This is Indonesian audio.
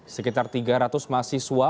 sekitar tiga ratus mahasiswa